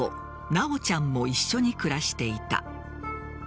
修ちゃんも一緒に暮らしていた。